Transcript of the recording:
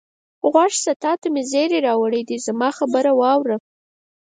غوږ شه، تا ته مې یو زېری راوړی دی، زما خبره واورئ.